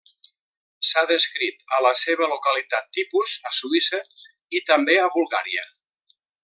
S'ha descrit a la seva localitat tipus a Suïssa i també a Bulgària.